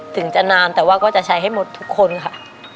ถึงจะนานแต่ว่าก็จะใช้ให้หมดทุกคนค่ะ